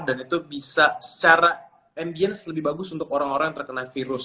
dan itu bisa secara ambience lebih bagus untuk orang orang yang terkena virus